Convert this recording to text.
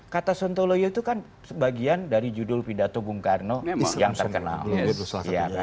kata sontoloyo itu kan sebagian dari judul pidato bung karno yang terkenal